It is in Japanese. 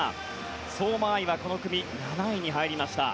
相馬あいはこの組７位に入りました。